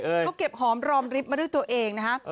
เขาเก็บหอมรอมริบมาด้วยตัวเองนะฮะ